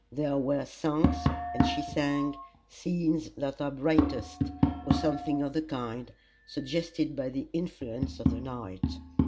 There were songs, and she sang "Scenes that are brightest," or something of the kind, suggested by the influences of the night.